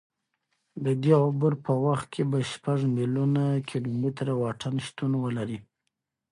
د دې عبور په وخت کې به شپږ میلیونه کیلومتره واټن شتون ولري.